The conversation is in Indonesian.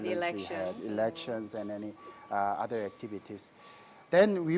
pilihan pilihan dan aktivitas lainnya